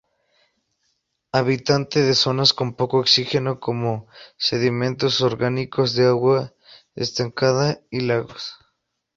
Habitante de zonas con poco oxígeno como sedimentos orgánicos de agua estancada y lagos.